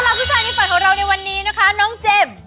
ผู้ชายในฝันของเราในวันนี้นะคะน้องเจมส์